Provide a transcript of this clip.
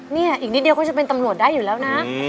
นี่อีกนิดเดียวก็จะเป็นตำรวจได้อยู่แล้วนะ